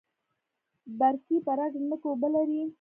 برکي برک ځمکې اوبه لري؟